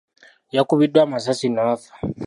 Yakubiddwa amasasi n'afa.